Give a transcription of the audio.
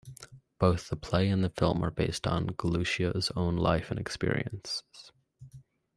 Both the play and the film are based on Galluccio's own life and experiences.